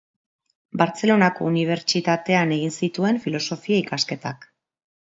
Bartzelonako Unibertsitatean egin zituen filosofia-ikasketak.